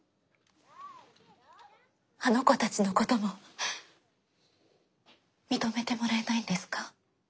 あの子たちのことも認めてもらえないんですか？